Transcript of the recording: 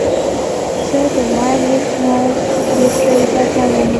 زه د وایرلیس ماؤس بیټرۍ بدلوم.